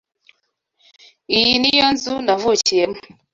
Iyi ni yo nzu navukiyemo.